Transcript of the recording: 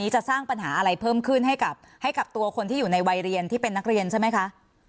จะสร้างปัญหาอะไรเพิ่มขึ้นให้กับตัวคนที่อยู่ในวัยเรียนที่เป็นนักเรียนใช่ไหมคะ